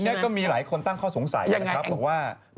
จริงก็มีหลายคนตั้งข้อสงสัยนะครับ